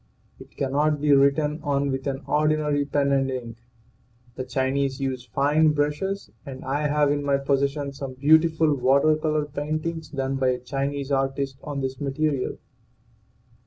It cannot be written on with an ordinary pen and ink. The Chinese use fine brushes, and I have in my possession some beautiful water color paintings done by a Chinese artist on this material.